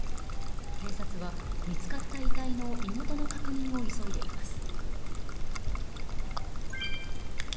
警察は、見つかった遺体の身元の確認を急いでいます。